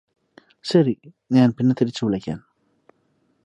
ശരി ഞാന് പിന്നെ തിരിച്ചു വിളിക്കാം